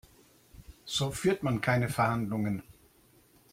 So führt man keine Verhandlungen.